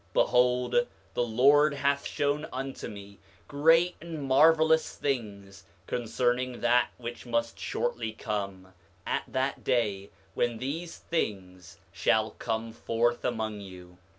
8:34 Behold, the Lord hath shown unto me great and marvelous things concerning that which must shortly come, at that day when these things shall come forth among you.